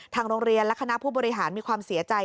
โรงเรียนและคณะผู้บริหารมีความเสียใจ